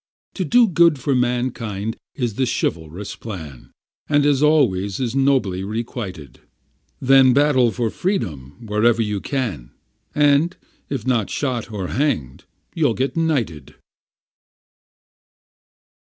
To do good to Mankind is the chivalrous plan, And is always as nobly requited; Then battle for Freedom wherever you can, And, if not shot or hanged, you'll get knighted.